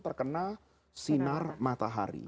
terkena sinar matahari